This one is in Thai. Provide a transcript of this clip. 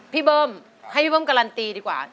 เบิ้มให้พี่เบิ้มการันตีดีกว่า